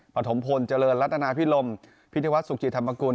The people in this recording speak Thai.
ปฐมพลเจริญรัฐนาพิรมพินวัฒนสุขิธรรมกุล